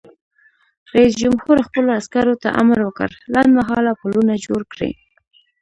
رئیس جمهور خپلو عسکرو ته امر وکړ؛ لنډمهاله پلونه جوړ کړئ!